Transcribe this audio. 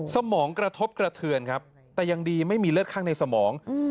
สมองกระทบกระเทือนครับแต่ยังดีไม่มีเลือดข้างในสมอง